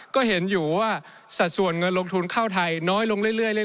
ก็เห็นอยู่ว่าสัดส่วนเงินลงทุนเข้าไทยน้อยลงเรื่อย